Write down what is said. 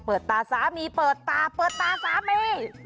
ตาสามีเปิดตาเปิดตาสามี